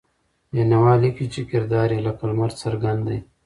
بېنوا لیکي چې کردار یې لکه لمر څرګند دی.